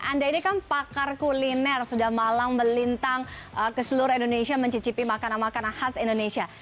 anda ini kan pakar kuliner sudah malang melintang ke seluruh indonesia mencicipi makanan makanan khas indonesia